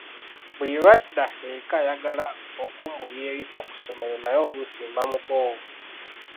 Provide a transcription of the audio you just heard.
Buli lwadda eka ayagala okumbuulira ebifa ku ssomero naye oluusi mba mukoowu.